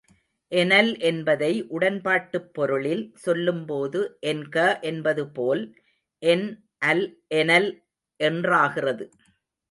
எனல் என்பதை உடன்பாட்டுப் பொருளில் சொல்லும் போது, என்க என்பது போல் என் அல் எனல் என்றாகிறது.